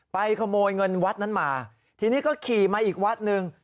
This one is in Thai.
ขโมยเงินวัดนั้นมาทีนี้ก็ขี่มาอีกวัดหนึ่ง